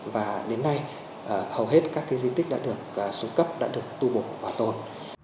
và đến nay hầu hết các di tích đã được xuất cấp đã được tu bộ bảo tồn